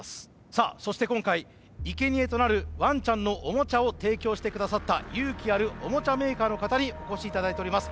さあそして今回いけにえとなるワンちゃんのオモチャを提供して下さった勇気あるオモチャメーカーの方にお越し頂いております。